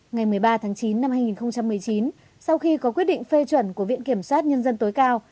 ngày một mươi ba tháng chín năm hai nghìn một mươi chín sau khi có quyết định phê chuẩn của viện kiểm sát nhân dân tối cao